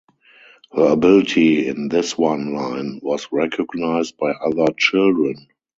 Her ability in this one line was recognized by other children.